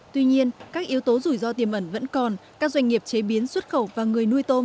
tuy nhiên các yếu tố rủi ro tiềm ẩn vẫn còn các doanh nghiệp chế biến xuất khẩu và người nuôi tôm